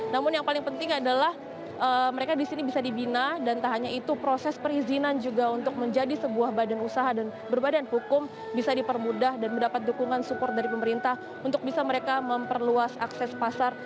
namun yang paling penting adalah mereka di sini bisa dibina dan tak hanya itu proses perizinan juga untuk menjadi sebuah badan usaha dan berbadan hukum bisa dipermudah dan mendapat dukungan support dari pemerintah untuk bisa mereka memperluas akses pasar